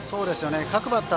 各バッター